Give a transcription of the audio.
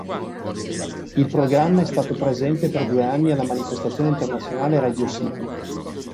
Il programma è stato presente per due anni alla manifestazione internazionale Radio City.